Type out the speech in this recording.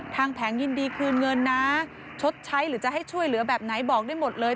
แผงยินดีคืนเงินนะชดใช้หรือจะให้ช่วยเหลือแบบไหนบอกได้หมดเลย